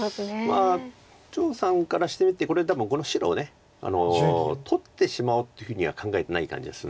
まあ張栩さんからしてみてこれ多分この白を取ってしまおうというふうには考えてない感じがするんです。